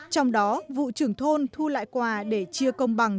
trong đó vụ trưởng thôn thu lại quà để chia công bằng